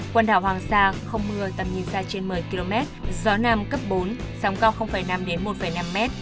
quần đảo hoàng sa không mưa tầm nhìn xa trên một mươi km gió nam cấp bốn sóng cao năm một năm m